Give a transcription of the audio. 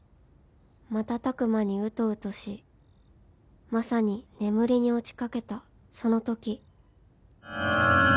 瞬く間にうとうとしまさに眠りに落ちかけたそのとき］